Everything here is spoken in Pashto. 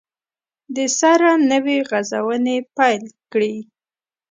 دسره نوي غزونې پیل کړي